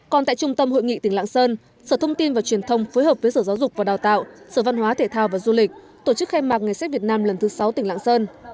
còn tại trung tâm hội nghị tỉnh lạng sơn sở thông tin và truyền thông phối hợp với sở giáo dục và đào tạo sở văn hóa thể thao và du lịch tổ chức khai mạc ngày sách việt nam lần thứ sáu tỉnh lạng sơn